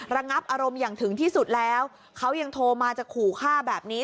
ระงับอารมณ์อย่างถึงที่สุดแล้วเขายังโทรมาจะขู่ฆ่าแบบนี้